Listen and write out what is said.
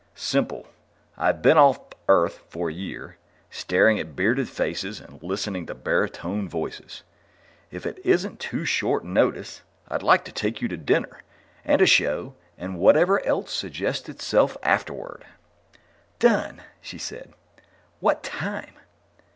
"Simple. I've been off Earth for a year, staring at bearded faces and listening to baritone voices. If it isn't too short notice, I'd like to take you to dinner and a show and whatever else suggests itself afterward." "Done!" she said. "What time?"